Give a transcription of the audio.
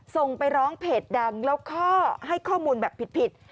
ส่งไปร้องเพจดังแล้วข้อให้ข้อมูลแบบผิด